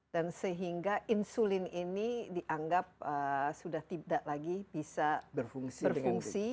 dan sehingga insulin ini dianggap sudah tidak lagi bisa berfungsi